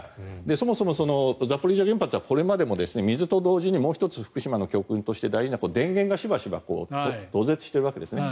そもそもザポリージャ原発はこれまでも水と同時にもう１つ福島の教訓として大事なことは電源がしばしば落ちているわけですね。